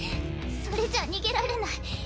それじゃ逃げられない。